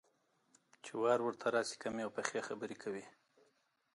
چې وار ورته راشي، کمې او پخې خبرې کوي.